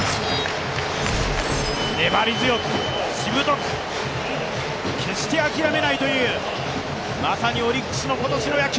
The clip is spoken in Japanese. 粘り強く、しぶとく、決して諦めないというまさにオリックスの今年の野球。